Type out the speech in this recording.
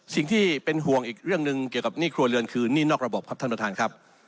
สิ่งที่เป็นห่วงอีกเรื่องหนึ่งเกี่ยวกับหนี้ครัวเรือนคือหนี้นอกระบบครับท่านประธานครับ